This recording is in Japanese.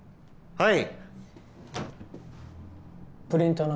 はい。